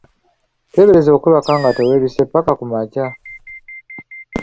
Teebereza okwebaka nga teweebisse mpaka ku makya!